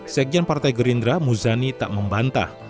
sekjen partai gerindra muzani tak membantah